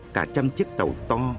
cả trăm chiếc tàu to